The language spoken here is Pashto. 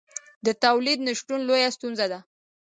د تولید نشتون لویه ستونزه ده.